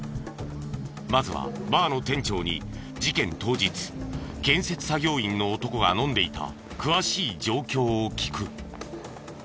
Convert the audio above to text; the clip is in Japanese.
まずはバーの店長に事件当日建設作業員の男が飲んでいた詳しい状況を聞く。